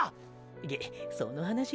げその話？